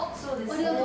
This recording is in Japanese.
ありがとう。